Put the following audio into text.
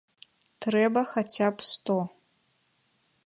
Трэба хаця б сто.